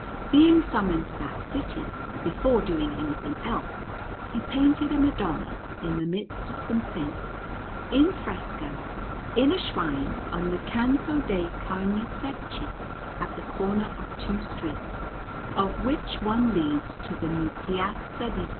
Being summoned to that city, before doing anything else, he painted a Madonna in the midst of some saints, in fresco, in a shrine on the Canto de' Carnesecchi, at the corner of two streets, of which one leads to the new Piazza di S.